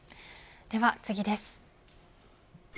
では次です。